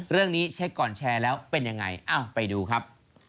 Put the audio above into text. เรื่องนี้เช็คก่อนแชร์แล้วเป็นยังไงไปดูครับ